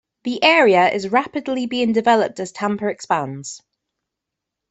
The area is rapidly being developed as Tampa expands.